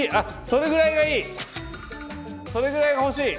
それぐらいが欲しい！